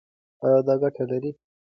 ایا دا ګټه لري؟